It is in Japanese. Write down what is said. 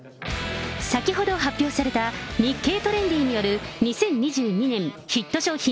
先ほど発表された日経トレンディによる２０２２年ヒット商品